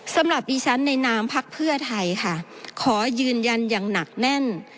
สำหรับดิฉันในนามพักเพื่อไทยค่ะขอยืนยันอย่างหนักแน่น